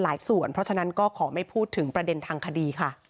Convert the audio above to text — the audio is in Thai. เพราะฉะนั้นก็ขอไม่พูดถึงประเด็นทางคดีค่ะ